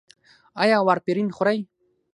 ایا وارفرین خورئ؟